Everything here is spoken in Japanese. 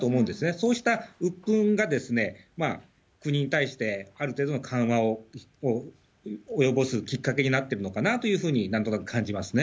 そうしたうっぷんが国に対してある程度の緩和を及ぼすきっかけになっているのかなというふうに、なんとなく感じますね。